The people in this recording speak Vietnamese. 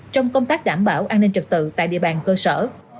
trong công tác đảm bảo an ninh trật tự tại địa bàn cơ sở